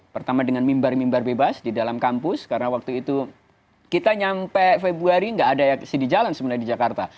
pertama dengan mimbar mimbar bebas di dalam kampus karena waktu itu kita nyampe februari nggak ada aksi di jalan sebenarnya di jakarta